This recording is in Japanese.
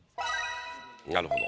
なるほど。